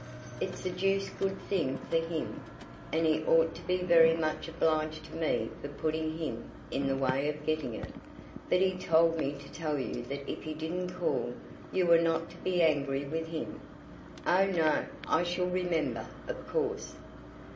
"It's a deuced good thing for him, and he ought to be very much obliged to me for putting him in the way of getting it. But he told me to tell you that if he didn't call, you were not to be angry with him." "Oh, no; I shall remember, of course."